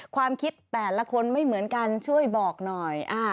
ความคิดแต่ละคนไม่เหมือนกันช่วยบอกหน่อย